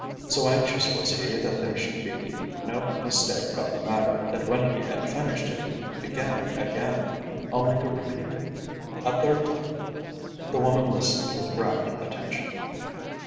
So anxious was he that there should be no mistake about the matter, that when he had finished it he began it again, only to repeat it a third time. The woman listened with rapt attention.